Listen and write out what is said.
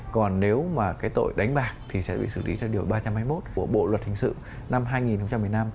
còn nếu mà cái tội đánh bạc thì sẽ bị xử lý theo điều ba trăm hai mươi một của bộ luật hình sự năm hai nghìn một mươi năm